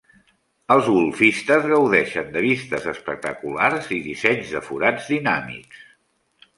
Els golfistes gaudeixen de vistes espectaculars i dissenys de forats dinàmics.